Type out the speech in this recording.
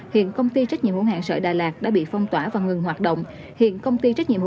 hiện công ty trách nhiệm hữu hạng sở đà lạt đã bị phong tỏa và ngừng hoạt động